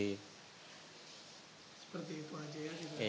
seperti itu aja ya